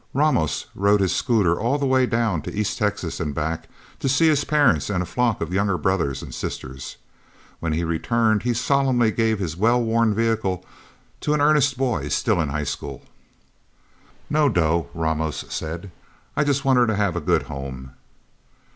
Ramos rode his scooter all the way down to East Texas and back, to see his parents and a flock of younger brothers and sisters. When he returned, he solemnly gave his well worn vehicle to an earnest boy still in high school. "No dough," Ramos said. "I just want her to have a good home."